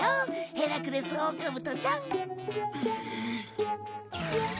ヘラクレスオオカブトちゃん。